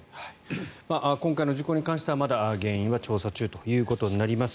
今回の事故に関してはまだ原因は調査中となります。